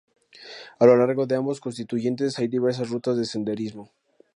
A lo largo de ambos constituyentes hay diversas rutas de senderismo.